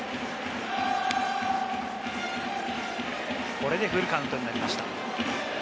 これでフルカウントになりました。